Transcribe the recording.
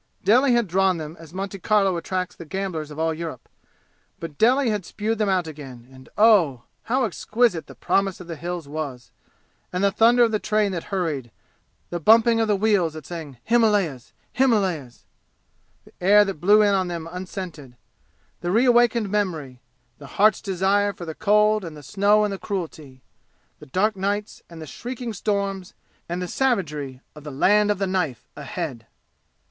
Delhi had drawn them as Monte Carlo attracts the gamblers of all Europe. But Delhi had spewed them out again, and oh! how exquisite the promise of the "Hills" was, and the thunder of the train that hurried the bumping wheels that sang Himahlayas Himahlyas! the air that blew in on them unscented the reawakened memory the heart's desire for the cold and the snow and the cruelty the dark nights and the shrieking storms and the savagery of the Land of the Knife ahead!